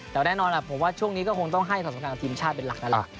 แต่ว่าแน่นอนผมว่าช่วงนี้ก็คงต้องให้ความสำคัญกับทีมชาติเป็นหลักนั่นแหละ